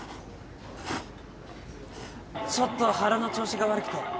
ちょっと腹の調子が悪くて。